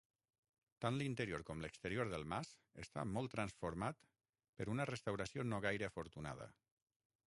Tant l'interior com l'exterior del mas, està molt transformat per una restauració no gaire afortunada.